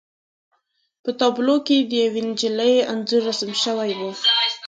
په تابلو کې د یوې نجلۍ انځور رسم شوی و